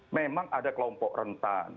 memang ada kelompok rentan